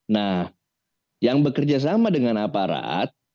nah yang bekerja sama dengan aparat